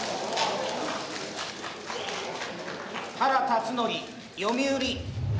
・原辰徳読売。